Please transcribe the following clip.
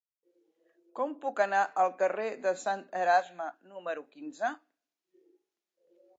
Com puc anar al carrer de Sant Erasme número quinze?